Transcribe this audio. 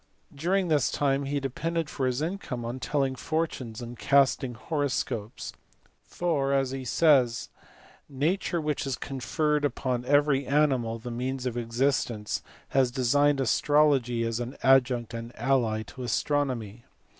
During this time he depended for his income on telling fortunes and casting horoscopes, for as he says "nature which has conferred upon every animal the means of existence lias designed astrology as an adjunct and ally to astronomy."